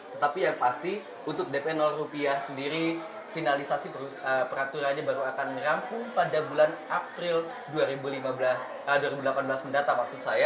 tetapi yang pasti untuk dp rupiah sendiri finalisasi peraturannya baru akan merampung pada bulan april dua ribu delapan belas mendatang